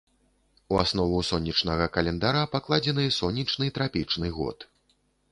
У аснову сонечнага календара пакладзены сонечны трапічны год.